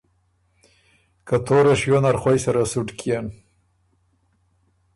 که توره شیو نر خوئ سره سُټ کيېن،